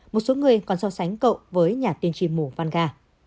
một số người còn so sánh cậu với nhà tiên tri mù văn gà